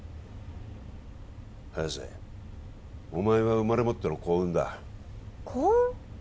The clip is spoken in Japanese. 早瀬お前は生まれ持っての幸運だ幸運？